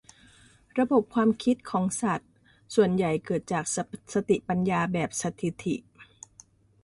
ระบบความคิดของสัตว์ส่วนใหญ่เกิดจากปัญญาแบบสถิติ